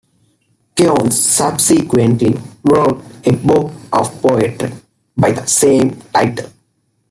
Koontz subsequently wrote a book of poetry by the same title.